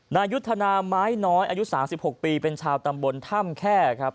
นายุทธนาไม้น้อยอายุ๓๖ปีเป็นชาวตำบลถ้ำแค่ครับ